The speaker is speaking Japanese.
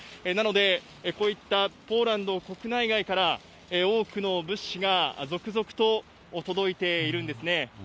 なので、こういったポーランド国内外から多くの物資が続々と届いているんですね。